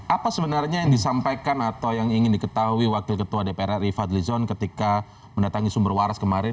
apa sebenarnya yang disampaikan atau yang ingin diketahui wakil ketua dpr ri fadlizon ketika mendatangi sumber waras kemarin